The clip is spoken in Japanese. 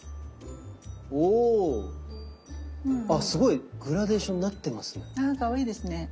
すごいグラデーションになってますね。